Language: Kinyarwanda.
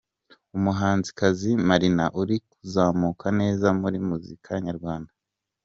Umuhanzikazi Marina uri kuzamuka neza muri muzika nyarwanda.